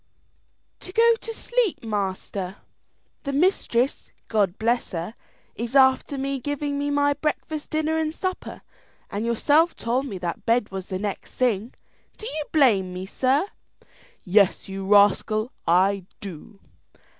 "To go to sleep, master. The mistress, God bless her, is after giving me my breakfast, dinner, and supper, and yourself told me that bed was the next thing. Do you blame me, sir?" "Yes, you rascal, I do."